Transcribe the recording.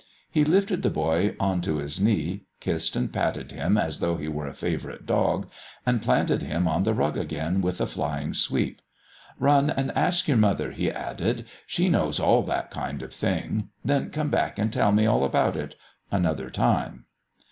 He lifted the boy on to his knee, kissed and patted him as though he were a favourite dog, and planted him on the rug again with a flying sweep. "Run and ask your mother," he added; "she knows all that kind of thing. Then come back and tell me all about it another time."